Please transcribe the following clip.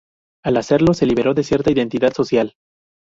Al hacerlo, se liberó de cierta identidad social.